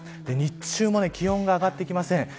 日中も気温が上がってきません。